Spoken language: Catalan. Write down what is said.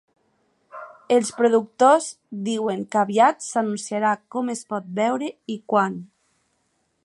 Els productors diuen que aviat s’anunciarà com es pot veure i quan.